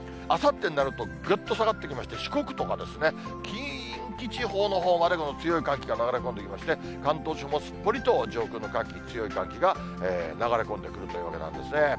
あさってになると、ぐっと下がってきまして、四国とか近畿地方のほうまで、この強い寒気が流れ込んできまして、関東地方もすっぽりと上空の寒気、強い寒気が流れ込んでくるというわけなんですね。